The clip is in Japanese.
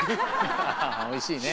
おいしいね。